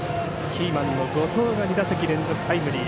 キーマンの後藤が２打席連続タイムリー。